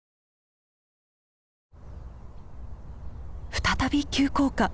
再び急降下！